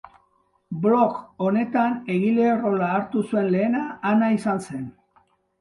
Blog honetan egile rola hartu zuen lehena Ana izan zen.